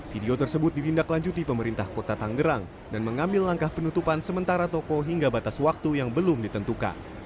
video tersebut ditindaklanjuti pemerintah kota tanggerang dan mengambil langkah penutupan sementara toko hingga batas waktu yang belum ditentukan